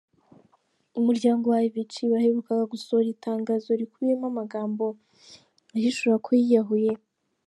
Umuryango wa Avicii waherukaga gusohora itangazo rikubiyemo amagambo ahishura ko yiyahuye.